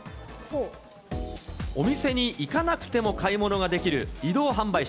お店に行かなくても買い物ができる移動販売車。